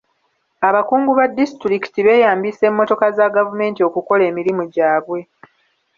Abakungu ba disitulikiti beeyambisa emmotoka za gavumenti okukola emirimu gyabwe.